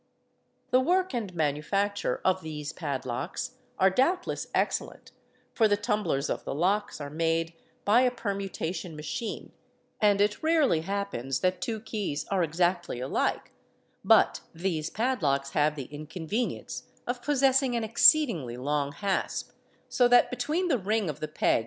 The work and manufacture of these padlocks are doubtless excellent, for the tumblers of the locks are made by a permuta tion machine and it rarely happens that two keys are exactly alike; but: s these padlocks have the inconvenience of possessing an exceedingly long — hasp, so that between the ring of the peg.